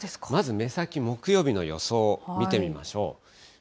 まず目先、木曜日の予想を見てみましょう。